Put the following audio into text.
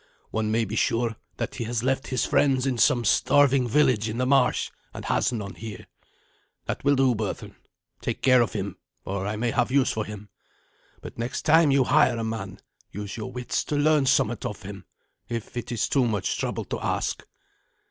One may be sure that he has left his friends in some starving village in the marsh, and has none here. That will do, Berthun. Take care of him, for I may have use for him. But next time you hire a man, use your wits to learn somewhat of him, if it is too much trouble to ask."